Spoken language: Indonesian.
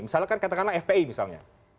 misalkan katakanlah fpi misalnya